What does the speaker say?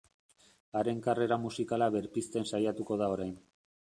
Haren karrera musikala berpizten saiatuko da orain.